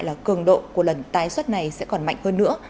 là cường độ của lần tái xuất này sẽ còn mạnh hơn nữa